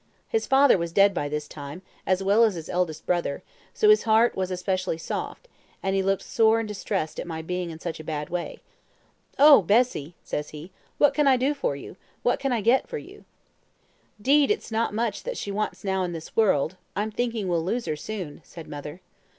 His father was dead by this time, as well as his eldest brother, so his heart was especial soft, and he looked sore distressed at my being in such a bad way. "'Oh! Bessie,' says he, 'what can I do for you? What can I get for you?' "''Deed it's no much that she wants now in this world; I'm thinking we'll lose her soon,' said mother.